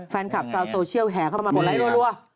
ฟันกลับเซาเซอลแฮร์เข้ามาโหลดไลค์รั่ว